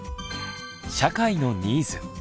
社会のニーズ。